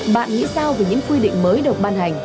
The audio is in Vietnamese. bạn nghĩ sao về những quy định mới được ban hành